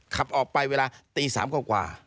ขับออกไปเวลาตี๓กว่า